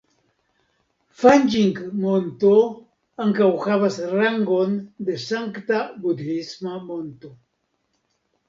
Fanĝing-Monto ankaŭ havas rangon de sankta budhisma monto.